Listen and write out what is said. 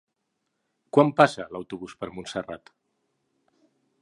Quan passa l'autobús per Montserrat?